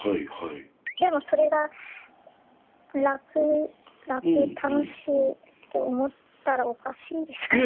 でもそれが楽楽楽しいって思ったらおかしいですかね？